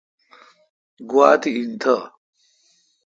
گوا تی انتھ۔